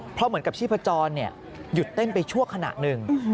เพราะเหมือนกับชีพจรหยุดเต้นไปชั่วขณะหนึ่ง